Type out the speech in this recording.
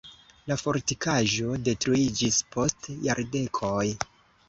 La fortikaĵo detruiĝis post jardekoj.